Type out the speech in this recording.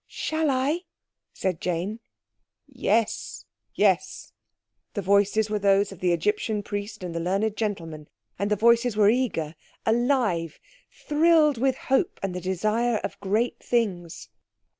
"Shall I?" asked Jane. "Yes." "Yes." The voices were those of the Egyptian Priest and the learned gentleman, and the voices were eager, alive, thrilled with hope and the desire of great things.